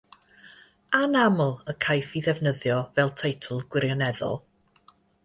Anaml y caiff ei ddefnyddio fel teitl gwirioneddol.